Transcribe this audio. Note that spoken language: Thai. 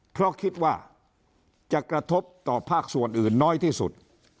เพราะคิดว่าจะกระทบต่อภาคส่วนอื่นน้อยที่สุด